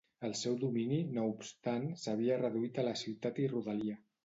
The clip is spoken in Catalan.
El seu domini no obstant s'havia reduït a la ciutat i rodalia.